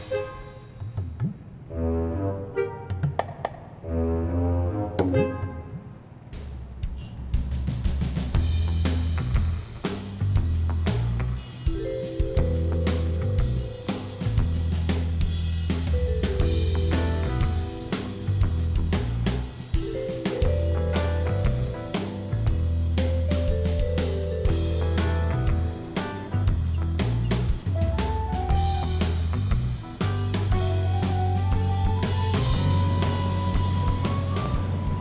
sampai jumpa lagi